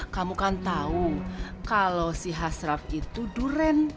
kamu kan tau kalau si hasraf itu duren